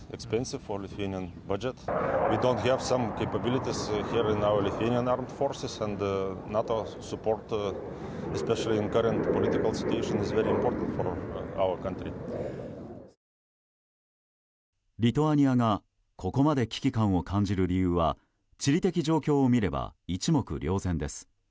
リトアニアがここまで危機感を感じる理由は地理的状況を見れば一目瞭然です。